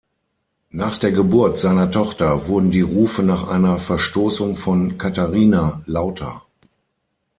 Nach der Geburt seiner Tochter wurden die Rufe nach einer Verstoßung von Katharina lauter.